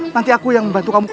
nanti aku yang membantu kamu